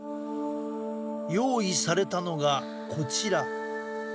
用意されたのが、こちら。